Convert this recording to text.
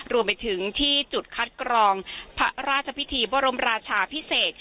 รวมไปถึงที่จุดคัดกรองพระราชพิธีบรมราชาพิเศษ